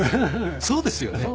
そうですよね。